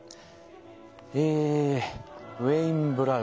えウエインブラウ。